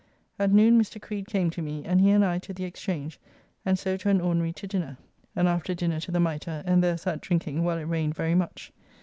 At noon Mr. Creed came to me, and he and I to the Exchange, and so to an ordinary to dinner, and after dinner to the Mitre, and there sat drinking while it rained very much.